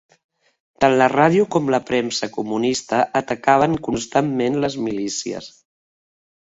Tant la ràdio com la premsa comunista atacaven constantment les milícies